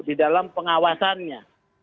di dalam pengawasannya